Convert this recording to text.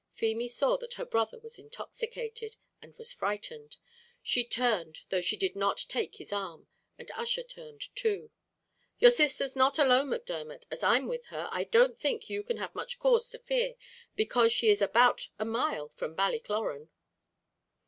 Feemy saw that her brother was intoxicated, and was frightened; she turned, though she did not take his arm, and Ussher turned too. "Your sister's not alone, Macdermot; as I'm with her, I don't think you have much cause to fear, because she is about a mile from Ballycloran."